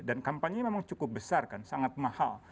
dan kampanye memang cukup besar kan sangat mahal